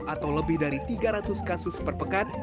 atau lebih dari tiga ratus kasus per pekan